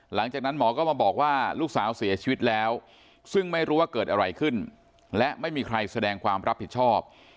หลังจากนั้นหมอก็มาบอกว่าลูกสาวเสียชีวิตแล้วซึ่งไม่รู้ว่าเกิดอะไรขึ้นและไม่มีใครแสดงความรับผิดชอบ